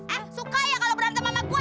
eh suka ya kalau berantem sama gue